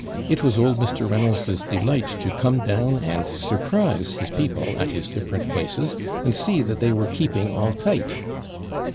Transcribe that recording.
It was old Mr. Reynolds's delight to come down and surprise his people at his different places, and see that they were keeping all tight.'